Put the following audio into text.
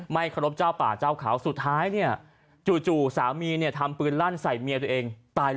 ไม่เคารพเจ้าป่าเจ้าเขาสุดท้ายจู่สามีทำปืนลั่นใส่เมียตัวเอง